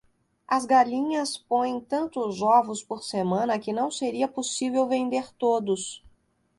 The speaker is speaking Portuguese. As galinhas põem tantos ovos por semana que não seria possível vender todos.